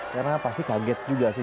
karena pasti kaget juga sih